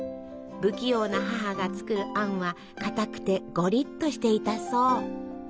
不器用な母が作るあんはかたくてごりっとしていたそう。